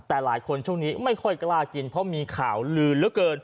แต่หลายคนช่วงนี้ไม่ค่อยกล้ากินเพราะมีข่าวลือเหลือเกิน